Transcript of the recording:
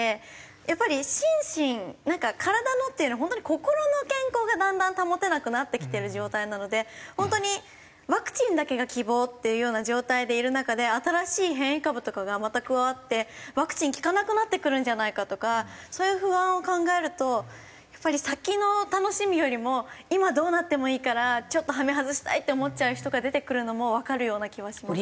やっぱり心身なんか体のっていうよりは本当に心の健康がだんだん保てなくなってきてる状態なので本当にワクチンだけが希望っていうような状態でいる中で新しい変異株とかがまた加わってワクチン効かなくなってくるんじゃないかとかそういう不安を考えるとやっぱり先の楽しみよりも今どうなってもいいからちょっと羽目外したいって思っちゃう人が出てくるのもわかるような気はしますね。